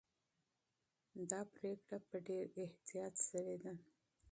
دا پرېکړه په ډېر احتیاط سوې ده.